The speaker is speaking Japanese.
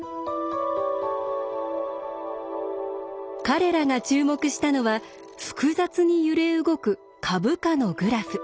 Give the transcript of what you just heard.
彼らが注目したのは複雑に揺れ動く株価のグラフ。